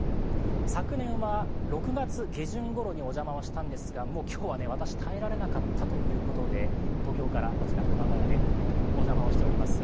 昨年は６月下旬ごろにお邪魔したんですが、もう今日は私、耐えられなかったということで東京からこちら熊谷でお邪魔をしております。